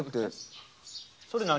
それ何？